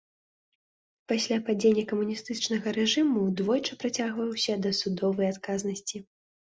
Пасля падзення камуністычнага рэжыму двойчы прыцягваўся да судовай адказнасці.